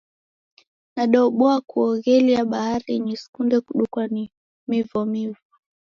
Nadaobua kuoghelia baharinyi, sikunde kudukwa ni mivomivo.